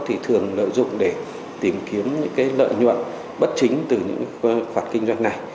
thì thường lợi dụng để tìm kiếm những lợi nhuận bất chính từ những khoản kinh doanh này